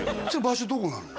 場所どこなの？